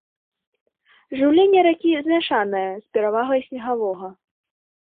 Жыўленне ракі змяшанае, з перавагай снегавога.